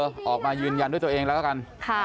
ออกมายืนยันด้วยตัวเองแล้วกัน